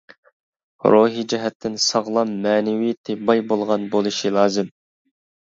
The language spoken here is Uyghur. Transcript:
روھىي جەھەتتىن ساغلام، مەنىۋىيىتى باي بولغان بولۇشى لازىم.